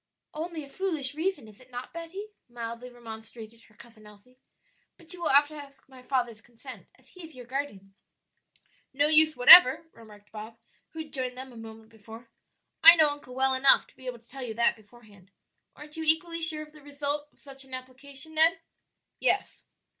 "Only a foolish reason, is it not, Betty?" mildly remonstrated her Cousin Elsie. "But you will have to ask my father's consent, as he is your guardian." "No use whatever," remarked Bob, who had joined them a moment before; "I know uncle well enough to be able to tell you that beforehand. Aren't you equally sure of the result of such an application, Ned?" "Yes."